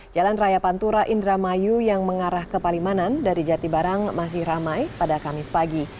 jalan raya pantura indramayu yang mengarah ke palimanan dari jatibarang masih ramai pada kamis pagi